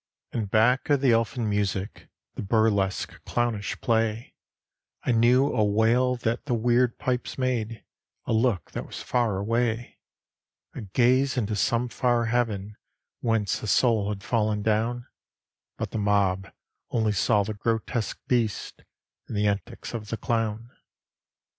And back of the elfin music, The burlesque, clownish play, I knew a wail that the weird pipes made, A look that was far away,— A gaze into some far heaven Whence a soul had fallen down; But the mob only saw the grotesque beast And the antics of the clown.